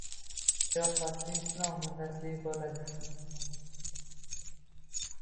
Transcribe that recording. Yoz fasli sinov muddati bo‘ldi.